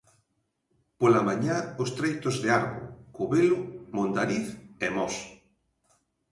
Pola mañá os treitos de Arbo, Covelo, Mondariz e Mos.